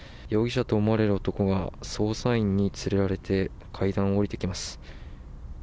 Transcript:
容疑者と思われる男が、捜査員に連れられて階段を下りてきます。